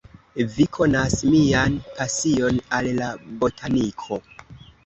Vi konas mian pasion al la botaniko.